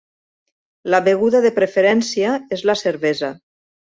La beguda de preferència és la cervesa.